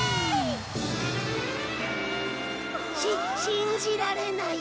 し信じられない。